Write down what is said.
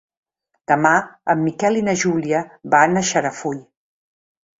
Demà en Miquel i na Júlia van a Xarafull.